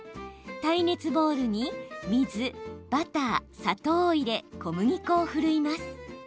耐熱ボウルに水、バター、砂糖を入れ小麦粉をふるいます。